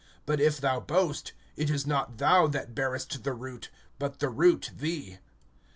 But if thou boast, it is not thou that bearest the root, but the root thee.